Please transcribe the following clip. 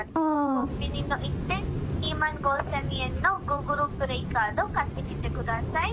コンビニに行って、２万５０００円のグーグルプレイカードを買ってきてください。